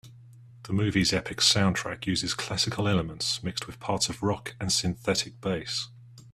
The movie's epic soundtrack uses classical elements mixed with parts of rock and synthetic bass.